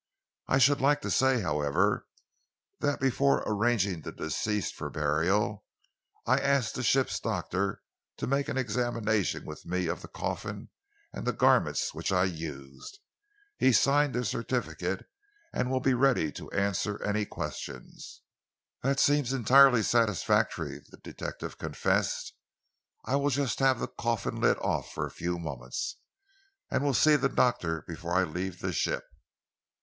I should like to say, however, that before arranging the deceased for burial, I asked the ship's doctor to make an examination with me of the coffin and the garments which I used. He signed the certificate, and he will be ready to answer any questions." "That seems entirely satisfactory," the detective confessed. "I will just have the coffin lid off for a few moments, and will see the doctor before I leave the ship."